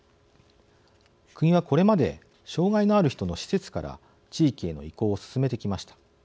国は、これまで障害のある人の施設から地域への移行を進めてきました。